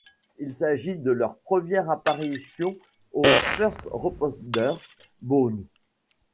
Il s'agit de leur première apparition au First Responder Bowl.